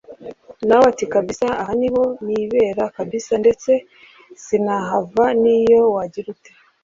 nawe ati kabsa aha niho nibera kabsa ndetse sinanahava niyo wagira gute